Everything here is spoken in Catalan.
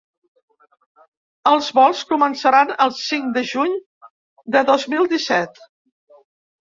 Els vols començaran el cinc de juny de dos mil disset.